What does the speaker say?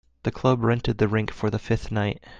The club rented the rink for the fifth night.